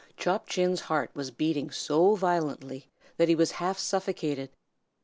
Chop Chin's heart was beating so violently that he was half suffocated.